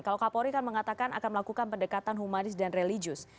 kalau kapolri kan mengatakan akan melakukan pendekatan humanis dan religius